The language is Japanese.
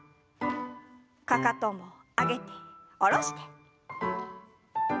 かかとも上げて下ろして。